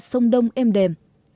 sông đông êm đềm